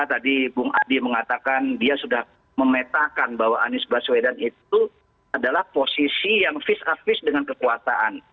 tadi bung adi mengatakan dia sudah memetakan bahwa anies baswedan itu adalah posisi yang vis a vis dengan kekuasaan